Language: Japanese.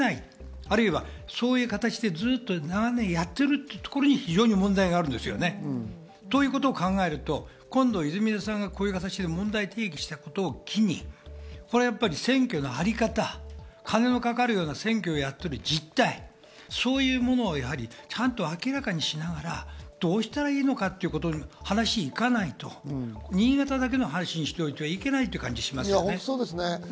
あるいは、そういう形でずっと長年やってるっていうところに非常に問題があるんですよね。ということ、考えると今度、泉田さんがそういう形で問題提起したことを機に、選挙のあり方、金のかかるような選挙をやっている実態、そういったものを、やはり明らかにしながら、どうしたらいいのかっていう話に行かないと新潟だけの話にしといては、いけないという感じがします。